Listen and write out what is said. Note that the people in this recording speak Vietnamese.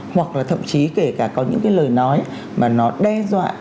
hoặc là thậm chí kể cả có những cái lời nói mà nó đe dọa